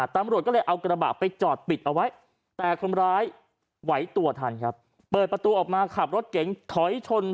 ตำรวจก็เลยเอากระบะไปจอดปิดเอาไว้แต่คนร้ายไหวตัวทัน